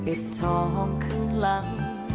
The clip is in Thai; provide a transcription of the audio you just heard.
เอ็ดทองข้างหลัง